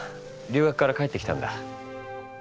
留学から帰ってきたんだ。